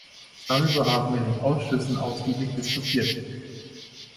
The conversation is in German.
Darüber haben wir in den Ausschüssen ausgiebig diskutiert.